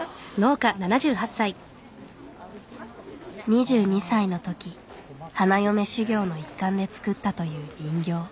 ２２歳のとき花嫁修業の一環で作ったという人形。